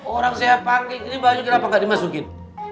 orang saya panggil ini baju kenapa ga dimasukin